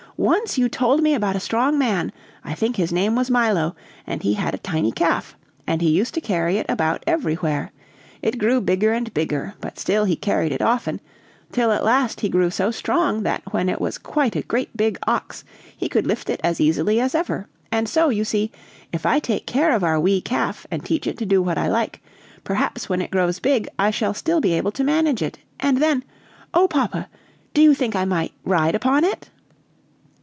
"Once you told me about a strong man, I think his name was Milo, and he had a tiny calf, and he used to carry it about everywhere. It grew bigger and bigger, but still he carried it often, till at last he grew so strong that when it was quite a great big ox, he could lift it as easily as ever. And so, you see, if I take care of our wee calf and teach it to do what I like, perhaps when it grows big I shall still be able to manage it, and then oh, papa do you think I might ride upon it?"